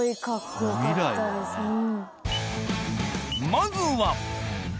まずは！